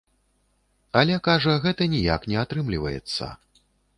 Але, кажа, гэта ніяк не атрымліваецца.